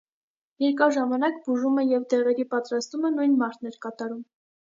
Երկար ժամանակ բուժումը և դեղերի պատրաստումը նույն մարդն էր կատարում։